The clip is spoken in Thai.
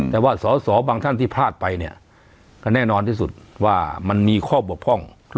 แต่ว่าสอสอบางท่านที่พลาดไปเนี่ยก็แน่นอนที่สุดว่ามันมีข้อบกพร่อง